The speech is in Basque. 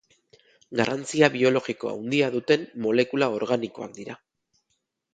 Garrantzia biologiko handia duten molekula organikoak dira.